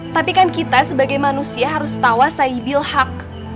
tapi kan kita sebagai manusia harus tawa saibil hak